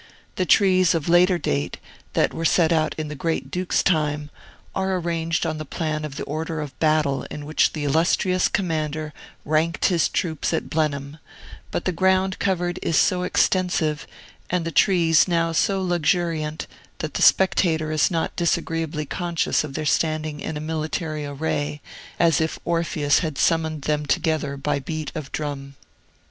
The trees of later date, that were set out in the Great Duke's time, are arranged on the plan of the order of battle in which the illustrious commander ranked his troops at Blenheim; but the ground covered is so extensive, and the trees now so luxuriant, that the spectator is not disagreeably conscious of their standing in military array, as if Orpheus had summoned them together by beat of drum.